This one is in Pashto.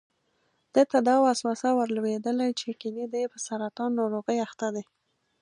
ده ته دا وسوسه ور لوېدلې چې ګني دی په سرطان ناروغۍ اخته دی.